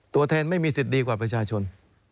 ตัวแทนไม่มีสิทธิ์ดีกว่าประชาชน